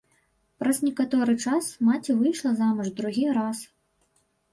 Праз некаторы час маці выйшла замуж другі раз.